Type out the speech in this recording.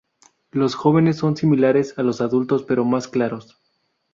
Los jóvenes son similares a los adultos pero más claros.